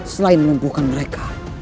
selain menempuhkan mereka